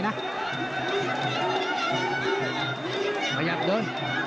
ประหยัดโดน